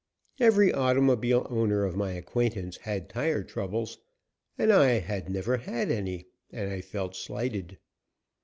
Every automobile owner of my acquaintance had tire troubles, and I had never had any, and I felt slighted.